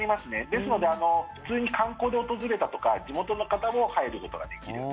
ですので普通に観光で訪れたとか地元の方も入ることができる。